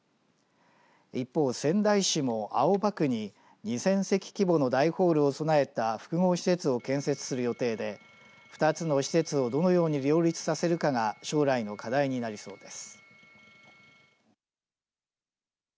一方、仙台市も青葉区に２０００席規模の大ホールを備えた複合施設を建設する予定で２つの施設をどのように両立させるかが将来の課題になりそうです。